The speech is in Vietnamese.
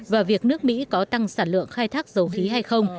và việc nước mỹ có tăng sản lượng khai thác dầu khí hay không